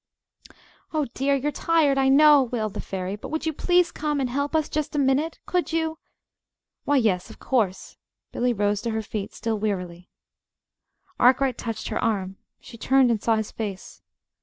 "Oh dear! you're tired, I know," wailed the fairy, "but if you would please come and help us just a minute! Could you?" "Why, yes, of course." Billy rose to her feet, still wearily. Arkwright touched her arm. She turned and saw his face.